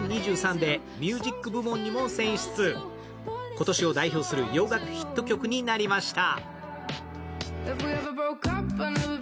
今年を代表する洋楽ヒット曲になりました。